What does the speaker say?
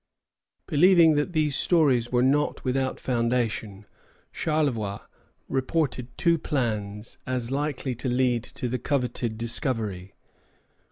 Believing that these stories were not without foundation, Charlevoix reported two plans as likely to lead to the coveted discovery.